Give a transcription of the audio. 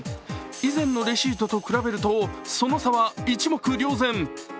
以前のレシートと比べるとその差は一目瞭然。